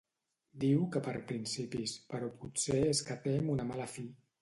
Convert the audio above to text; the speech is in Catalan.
Diu que per principis, però potser és que tem una mala fi.